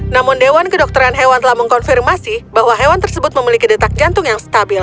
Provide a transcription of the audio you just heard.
namun dewan kedokteran hewan telah mengkonfirmasi bahwa hewan tersebut memiliki detak jantung yang stabil